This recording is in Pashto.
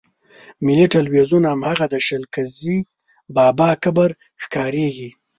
ملي ټلویزیون هماغه د شل ګزي بابا قبر ښکارېږي.